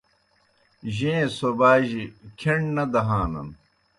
جیں سوباجیْ کھیݨ نہ دہانَن